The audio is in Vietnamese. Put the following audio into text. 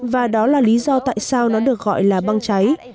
và đó là lý do tại sao nó được gọi là băng cháy